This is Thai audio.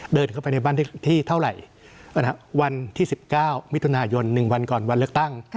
เดินเข้าไปในบ้านที่เท่าไหร่วันที่๑๙มิถุนายน๑วันก่อนวันเลือกตั้ง